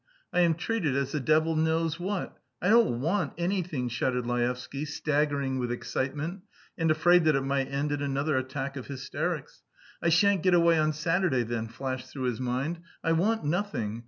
I am treated as the devil knows what! I don't want anything," shouted Laevsky, staggering with excitement and afraid that it might end in another attack of hysterics. "I shan't get away on Saturday, then," flashed through his mind. "I want nothing.